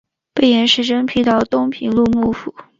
被严实征辟到东平路幕府。